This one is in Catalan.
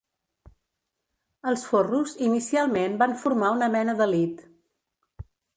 Els forros inicialment van formar una mena d'elit.